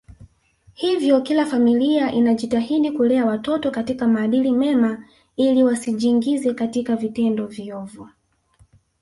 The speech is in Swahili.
Hivyo kila familia inajitahidi kulea watoto katika maadili mema ili wasijiingize katika vitendo viovu